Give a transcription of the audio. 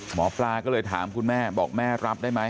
หมอปลาก็เลยถามคุณแม่บอกแม่รับได้ไหม